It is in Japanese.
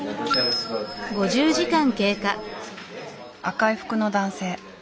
赤い服の男性。